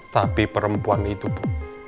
tapi perempuan itu bu